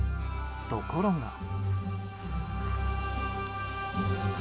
ところが。